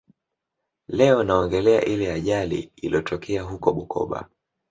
Leo naongelea ile ajali ilotokea huko Bukoba